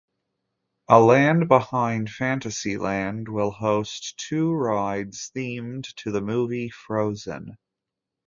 A land behind Fantasyland will host two rides themed to the movie "Frozen".